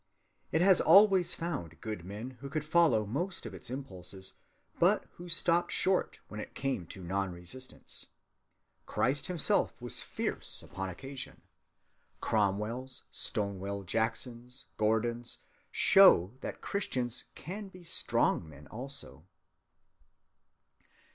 It has always found good men who could follow most of its impulses, but who stopped short when it came to non‐resistance. Christ himself was fierce upon occasion. Cromwells, Stonewall Jacksons, Gordons, show that Christians can be strong men also.